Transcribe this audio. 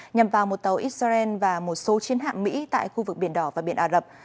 nhằm vào một tàu israel và một số chiến hạm mỹ tại khu vực biển đỏ và biển ả rập